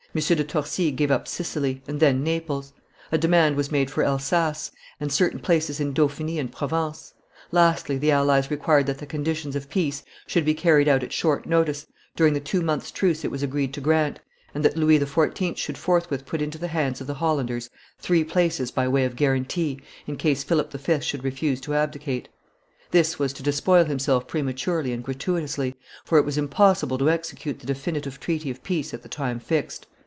de Torcy gave up Sicily, and then Naples; a demand was made for Elsass, and certain places in Dauphiny and Provence; lastly, the allies required that the conditions of peace should be carried out at short notice, during the two months' truce it was agreed to grant, and that Louis XIV. should forthwith put into the hands of the Hollanders three places by way of guarantee, in case Philip V. should refuse to abdicate. This was to despoil himself prematurely and gratuitously, for it was impossible to execute the definitive treaty of peace at the time fixed.